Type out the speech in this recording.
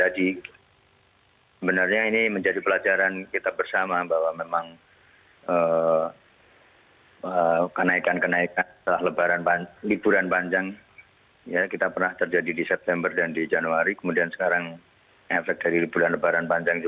jadi sebenarnya ini menjadi pelajaran kita bersama bahwa memang kenaikan kenaikan setelah lebaran